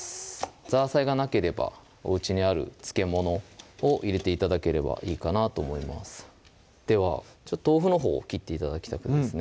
ザーサイがなければおうちにある漬物を入れて頂ければいいかなと思いますでは豆腐のほうを切って頂きたくですね